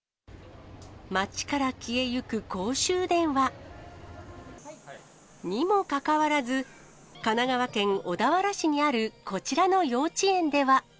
街から消えゆく公衆電話。にもかかわらず、神奈川県小田原市にあるこちらの幼稚園では。